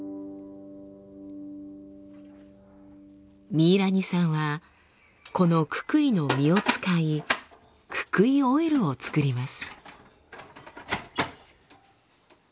ミイラニさんはこのククイの実を使いククイオイルを作ります。